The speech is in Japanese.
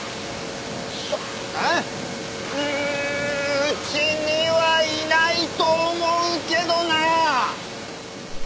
うちにはいないと思うけどなあ。